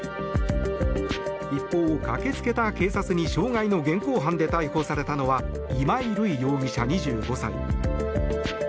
一方、駆けつけた警察に傷害の現行犯で逮捕されたのは今井瑠依容疑者、２５歳。